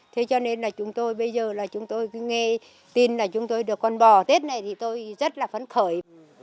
thế cho nên là chúng tôi bây giờ là chúng tôi cứ nghe tin là chúng tôi được con bò tết này thì tôi rất là phấn khởi